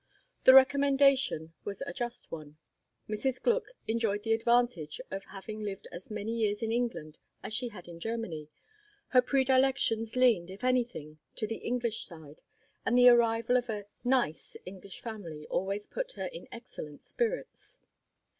The recommendation was a just one. Mrs. Gluck enjoyed the advantage of having lived as many years in England as she had in Germany; her predilections leaned, if anything, to the English side, and the arrival of a "nice" English family always put her in excellent spirits.